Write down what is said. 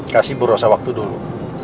kasih berusaha waktu dulu